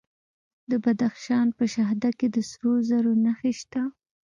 د بدخشان په شهدا کې د سرو زرو نښې شته.